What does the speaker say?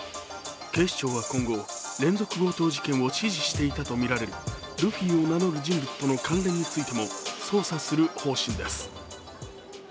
警視庁は今後、連続強盗事件を指示していたとみられるルフィを名乗る人物との関連についても捜査する方針です。